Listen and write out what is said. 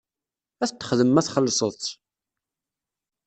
Ad t-texdem ma txellseḍ-tt.